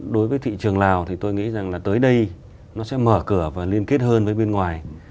đối với thị trường lào thì tôi nghĩ rằng là tới đây nó sẽ mở cửa và liên kết hơn với bên ngoài